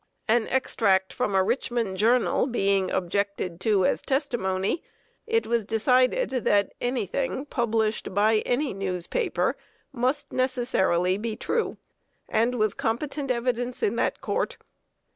An extract from a Richmond journal being objected to as testimony, it was decided that any thing published by any newspaper must necessarily be true, and was competent evidence in that court.